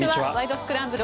スクランブル」